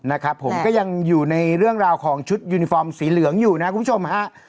นะครับผมก็ยังอยู่ในเรื่องราวของชุดยูนิฟอร์มสีเหลืองอยู่นะคุณผู้ชมฮะ